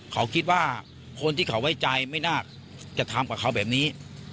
เขาคิดว่าคนที่เขาไว้ใจไม่น่าจะทำกับเขาแบบนี้